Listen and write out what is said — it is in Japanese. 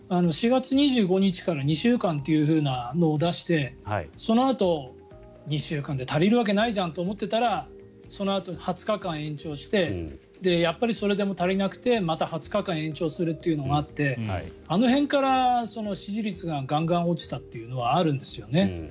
４月２５日から２週間というのを出してそのあと２週間で足りるわけないじゃんて思っていたらそのあと２０日間延長してやっぱりそれでも足りなくてまた２０日間延長するというのがあってあの辺から支持率がガンガン落ちたっていうのがあるんですよね。